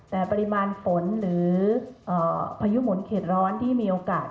แต่ปริมาณฝนหรือพายุหมุนเข็ดร้อนที่มีโอกาส